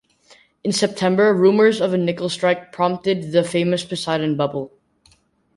In September rumours of a nickel strike prompted the famous Poseidon bubble.